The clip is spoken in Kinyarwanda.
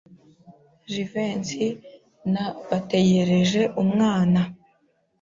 Jivency na bategereje umwana.